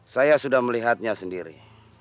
saya sudah melihatnya sendiri